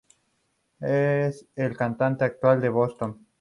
Él es el cantante actual de Boston.